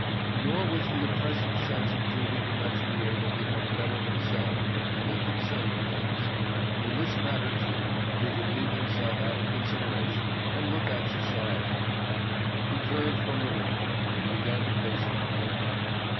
Nor was the oppressive sense of duty to expiate and become better himself, any longer any concern of his; in this matter, too, he could leave himself out of consideration, and look at society. He turned from the window, and began to pace the floor.